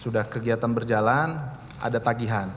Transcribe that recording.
sudah kegiatan berjalan ada tagihan